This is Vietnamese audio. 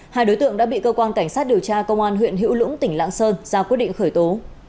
hai đối tượng đã bị cơ quan cảnh sát điều tra công an huyện hữu lũng tỉnh lạng sơn ra quyết định khởi tố